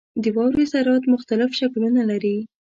• د واورې ذرات مختلف شکلونه لري.